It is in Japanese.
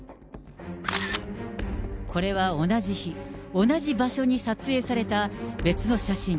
これは同じ日、同じ場所に撮影された、別の写真。